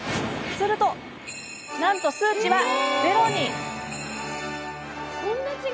すると、なんと数値はゼロに。